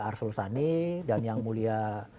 arsulsani dan yang mulia